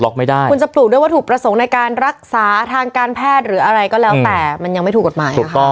ไม่ได้คุณจะปลูกด้วยวัตถุประสงค์ในการรักษาทางการแพทย์หรืออะไรก็แล้วแต่มันยังไม่ถูกกฎหมายนะคะ